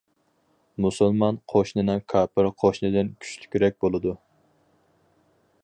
مۇسۇلمان قوشنىنىڭ كاپىر قوشنىدىن كۈچلۈكرەك بولىدۇ.